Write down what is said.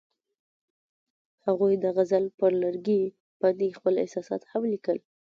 هغوی د غزل پر لرګي باندې خپل احساسات هم لیکل.